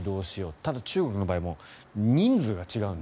ただ、中国の場合は人数が違うので。